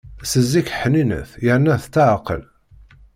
Seg zik ḥninet yerna tetɛeqqel.